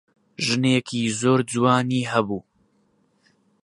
ژنێکی زۆر جوانی هەبوو.